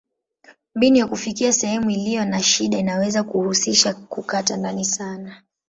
Mbinu ya kufikia sehemu iliyo na shida inaweza kuhusisha kukata ndani sana.